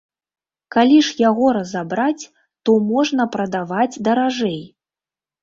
Калі ж яго разабраць, то можна прадаваць даражэй.